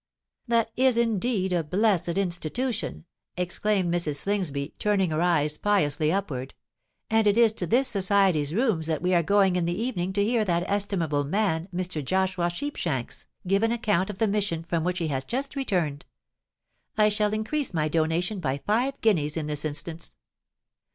"That is indeed a blessed institution!" exclaimed Mrs. Slingsby, turning her eyes piously upward; "and it is to this Society's rooms that we are going in the evening to hear that estimable man, Mr. Joshua Sheepshanks, give an account of the mission from which he has just returned. I shall increase my donation by five guineas in this instance."